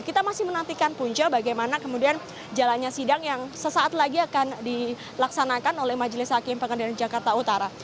kita masih menantikan punca bagaimana kemudian jalannya sidang yang sesaat lagi akan dilaksanakan oleh majelis hakim pengadilan jakarta utara